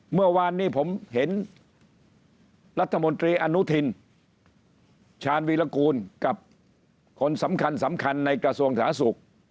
เมื่อวานนี้ผมเห็นรัฐมนตรีอนุทินชาญวีรกูลกับคนสำคัญสำคัญในกระทรวงสาธารณสุข